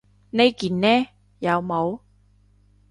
呢件呢？有帽